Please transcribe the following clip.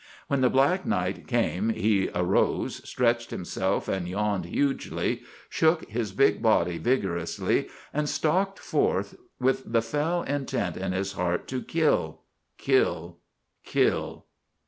When the black night came he arose, stretched himself and yawned hugely, shook his big body vigorously and stalked forth with the fell intent in his heart to kill—kill—kill!